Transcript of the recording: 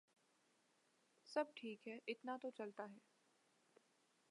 سب ٹھیک ہے ، اتنا تو چلتا ہے ۔